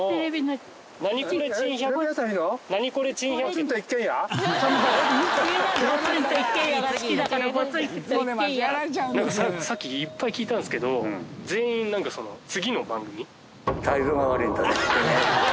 なんかさっきいっぱい聞いたんですけど全員なんかその次の番組。